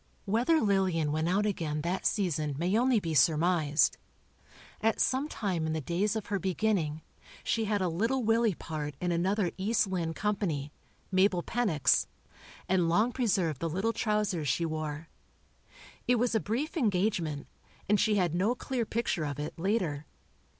Whether Lillian went out again that season may only be surmised. At some time in the days of her beginning, she had a "Little Willie" part in another "East Lynne" Company—Mabel Pennock's, and long preserved the little trousers she wore. It was a brief engagement, and she had no clear picture of it, later.